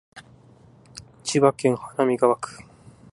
千葉市花見川区